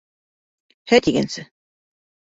«Һә» тигәнсә!